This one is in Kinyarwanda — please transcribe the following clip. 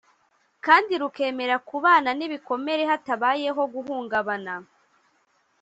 kandi rukemera kubana n’ibikomere hatabayeho guhungabana